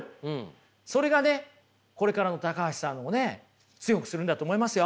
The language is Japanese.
それがねこれからの橋さんをね強くするんだと思いますよ。